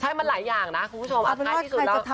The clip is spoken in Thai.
ใช่มันหลายอย่างนะคุณผู้ชมท้ายที่สุดแล้ว